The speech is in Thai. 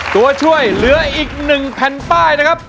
ตัวช่วยเหลืออีก๑แผ่นป้ายนะครับ